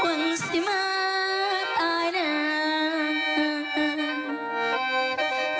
หวังสิมาตายนาน